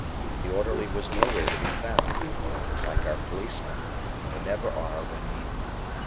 The orderly was nowhere to be found like our policemen, they never are when needed.